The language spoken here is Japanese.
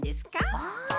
ああ。